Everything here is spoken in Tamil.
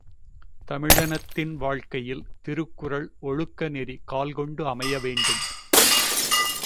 தமிழினத்தின் வாழ்க்கையில் திருக்குறள் ஒழுக்கநெறி கால்கொண்டு அமையவேண்டும்.